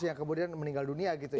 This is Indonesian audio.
yang kemudian meninggal dunia gitu ya